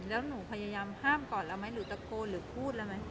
แล้วหนูพยายามห้ามก่อนแล้วไหมหรือตะโกนหรือพูดแล้วไหม